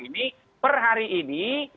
ini per hari ini